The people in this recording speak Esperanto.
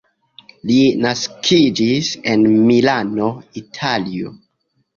Li naskiĝis en Milano, Italio.